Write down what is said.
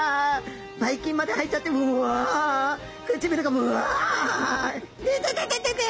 ばい菌まで入っちゃってうわ唇がうわイテテテテテ。